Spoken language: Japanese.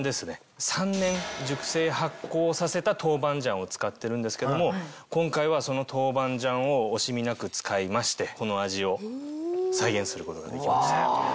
３年熟成発酵させた豆板醤を使ってるんですけども今回はその豆板醤を惜しみなく使いましてこの味を再現することができました。